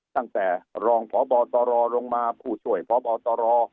ตั้งแต่รองพบตรลงมาผู้จ่วยปบตร